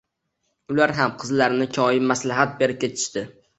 Ular ham qizlarini koyib, maslahat berib ketishdi